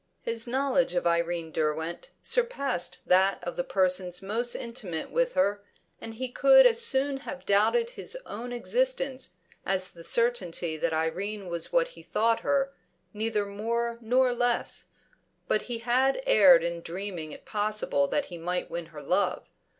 His knowledge of Irene Derwent surpassed that of the persons most intimate with her, and he could as soon have doubted his own existence as the certainty that Irene was what he thought her, neither more nor less. But he had erred in dreaming it possible that he might win her love.